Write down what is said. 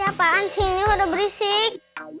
apaan sih ini udah berisik